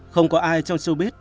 không có ai trong showbiz